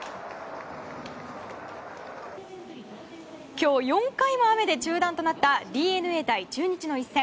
今日４回も雨で中断となったＤｅＮＡ対中日の一戦。